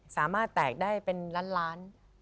สามารถแตกได้เป็นล้านล้าน